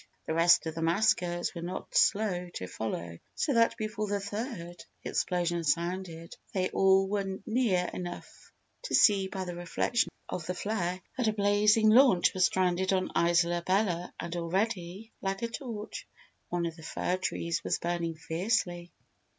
The rest of the maskers were not slow to follow so that before the third explosion sounded they all were near enough to see by the reflection of the flare that a blazing launch was stranded on Isola Bella and already, like a torch, one of the fir trees was burning fiercely.